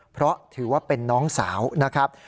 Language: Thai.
เพราะถือว่าเป็นน้องสาวนะครับ